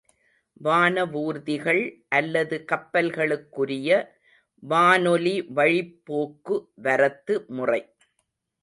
வானவூர்திகள் அல்லது கப்பல்களுக்குரிய வானொலிவழிப் போக்கு வரத்து முறை.